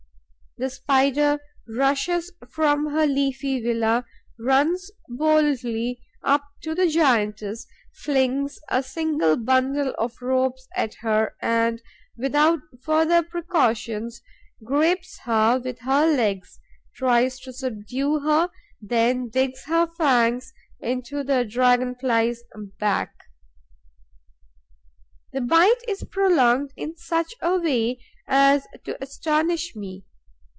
The Spider rushes from her leafy villa, runs boldly up to the giantess, flings a single bundle of ropes at her and, without further precautions, grips her with her legs, tries to subdue her and then digs her fangs into the Dragon fly's back. The bite is prolonged in such a way as to astonish me.